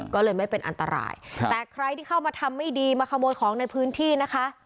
ก็เลยไม่เป็นอันตรายแต่ใครที่เข้ามาทำไม่ดีมาขโมยของในพื้นที่นะคะ